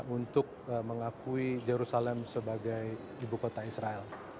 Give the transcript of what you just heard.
untuk mengakui jerusalem sebagai ibu kota israel